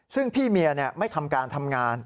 ซึ่งพี่เมียไม่ทำการทำงาน